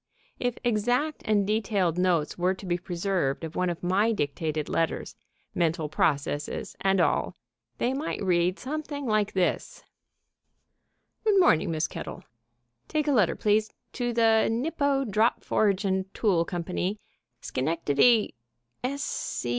If exact and detailed notes were to be preserved of one of my dictated letters, mental processes, and all, they might read something like this: "Good morning, Miss Kettle.... Take a letter, please ... to the Nipco Drop Forge and Tool Company, Schenectady